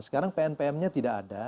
sekarang pnpm nya tidak ada